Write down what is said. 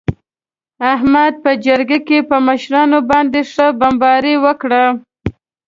احمد په جرگه کې په مشرانو باندې ښه بمباري وکړه.